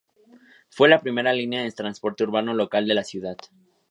Fue la primera línea de transporte urbano local de la ciudad.